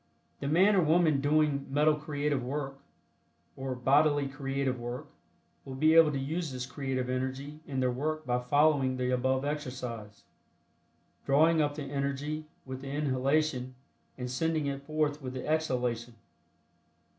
The man or woman doing metal creative work, or bodily creative work, will be able to use this creative energy in their work by following the above exercise, drawing up the energy with the inhalation and sending it forth with the exhalation.